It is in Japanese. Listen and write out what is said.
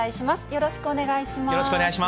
よろしくお願いします。